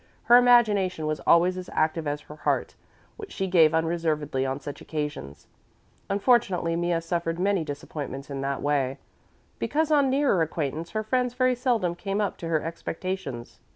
Her imagination was always as active as her heart, which she gave unreservedly on such occasions. Unfortunately Mea suffered many disappointments in that way, because on nearer acquaintance her friends very seldom came up to her expectations.